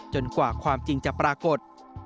กว่าความจริงจะปรากฏ